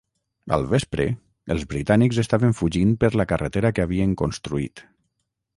Al vespre, els britànics estaven fugint per la carretera que havien construït.